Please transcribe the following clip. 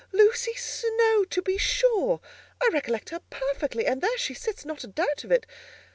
Lucy Snowe! To be sure! I recollect her perfectly, and there she sits; not a doubt of it.